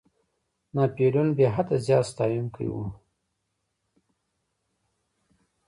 ناپولیون بېحده زیات ستایونکی وو.